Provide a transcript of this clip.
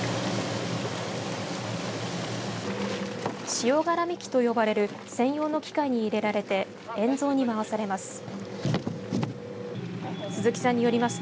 塩絡み機と呼ばれる専用の機械に入れられて塩蔵に回されます。